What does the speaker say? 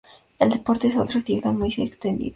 El deporte es otra actividad muy extendida.